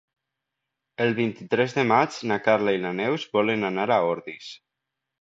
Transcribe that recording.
El vint-i-tres de maig na Carla i na Neus volen anar a Ordis.